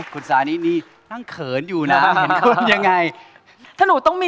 ก็มันคิดถึงเธอ